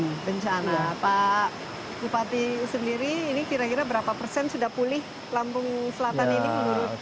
mbak desy pak kupati sendiri ini kira kira berapa persen sudah pulih lampung selatan ini